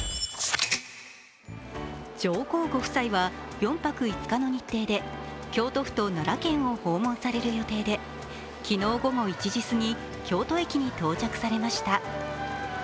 上皇ご夫妻は４泊５日の日程で京都府と奈良県を訪問される予定で、昨日午後１時過ぎ、京都駅に到着されました。